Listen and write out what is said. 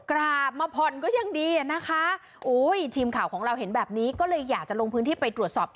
กราบมาผ่อนก็ยังดีอ่ะนะคะโอ้ยทีมข่าวของเราเห็นแบบนี้ก็เลยอยากจะลงพื้นที่ไปตรวจสอบ